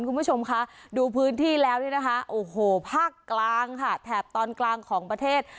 คุณผู้ชมคะดูพื้นที่แล้วเนี่ยนะคะโอ้โหภาคกลางค่ะแถบตอนกลางของประเทศ